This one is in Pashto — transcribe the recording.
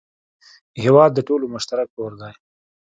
هېواد د ټولو مشترک کور دی.